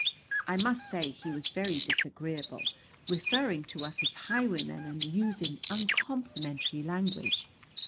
I must say he was very disagreeable, referring to us as highwaymen and using uncomplimentary language.